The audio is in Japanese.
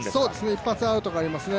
一発アウトがありますね。